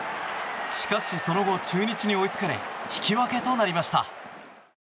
しかしその後、中日に追いつかれ引き分けとなりました。